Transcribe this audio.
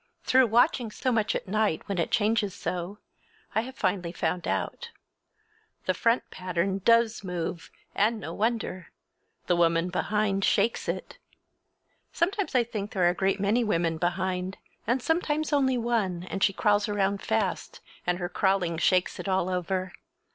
Through watching so much at night, when it changes so, I have finally found out. The front pattern does move—and no wonder! The woman behind shakes it! Sometimes I think there are a great many women behind, and sometimes only one, and she crawls around fast, and her crawling shakes it all over.